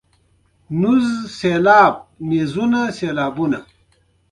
حلال مال سکون راوړي.